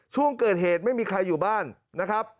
ช่วงเกิดเหตุไม่มีใครอยู่บ้านนะครับ